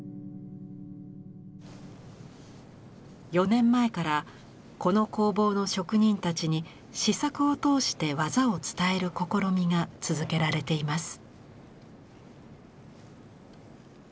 ４年前からこの工房の職人たちに試作を通して技を伝える試みが続けられています。